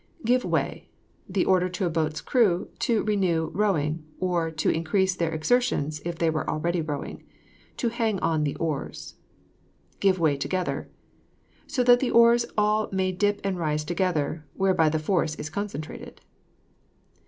GIVE WAY. The order to a boat's crew to renew rowing, or to increase their exertions if they were already rowing. To hang on the oars. GIVE WAY TOGETHER. So that the oars may all dip and rise together, whereby the force is concentrated.